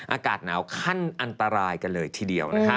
อากาศหนาวขั้นอันตรายกันเลยทีเดียวนะคะ